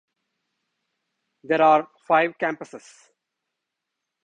There are five campuses.